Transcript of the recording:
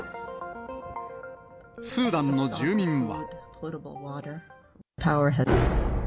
スーダンの住民は。